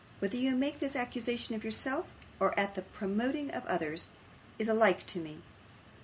'Whether you make this accusation of yourself, or at the prompting of others, is alike to me.